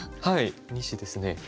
はい２子ですね。